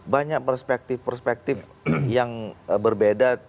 banyak perspektif perspektif yang berbeda